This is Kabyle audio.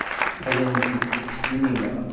Qqlent-d seg ssinima.